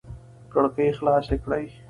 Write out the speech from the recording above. کړکۍ خلاص کړئ